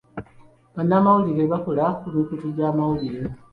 Bannamawulire bakola ku mikutu gy'amawulire.